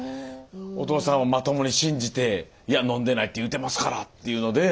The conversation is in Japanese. お父さんはまともに信じて「いや飲んでないって言うてますから」っていうので。